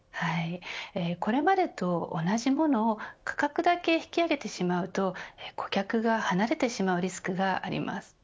これまでと同じものを価格だけ引き上げてしまうと顧客が離れてしまうリスクがあります。